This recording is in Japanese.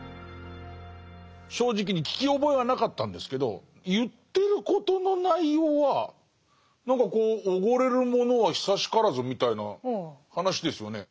正直に聞き覚えはなかったんですけど言ってることの内容は何かこう「おごれるものは久しからず」みたいな話ですよね。